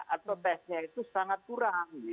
atau tesnya itu sangat kurang